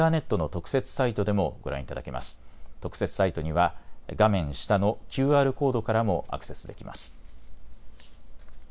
特設サイトには画面下のＱＲコードからもアクセスできます。